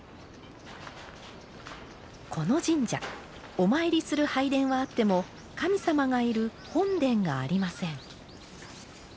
この神社お参りする拝殿はあっても神様がいる本殿がありません。